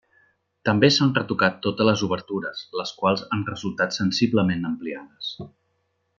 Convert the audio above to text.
També s'han retocat totes les obertures, les quals han resultat sensiblement ampliades.